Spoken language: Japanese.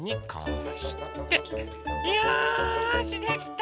よしできた！